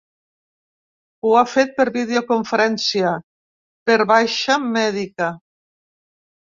Ho ha fet per videoconferència per baixa mèdica.